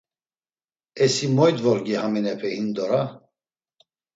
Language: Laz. E si moy dvorgi haminepe himdora?